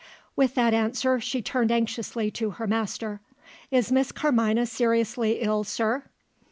With that answer, she turned anxiously to her master. "Is Miss Carmina seriously ill, sir?"